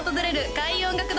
開運音楽堂